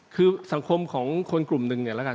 คือสังคมของคนกลุ่มหนึ่งเนี่ย